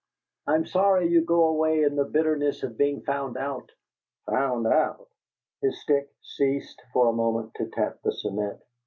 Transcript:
"I'm sorry you go away in the bitterness of being found out." "Found out!" His stick ceased for a moment to tap the cement.